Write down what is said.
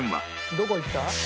どこ行った？